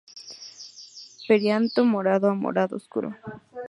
Perianto morado a morado oscuro.